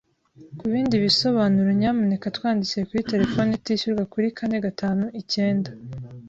Kubindi bisobanuro, nyamuneka twandikire kuri telefoni itishyurwa kuri kane gatanu icyenda